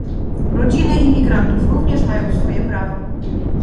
Rodziny imigrantów również mają swoje prawa